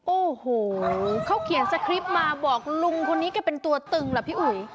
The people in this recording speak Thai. โอ้โหเขาเขียนสคริปต์มาบอกลุงคนนี้ก็เป็นตัวตึงล่ะพี่อุ๋ย